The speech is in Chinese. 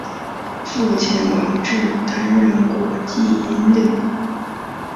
父亲王志担任过济阴令。